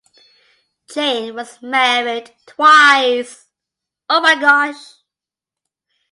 Jane was married twice.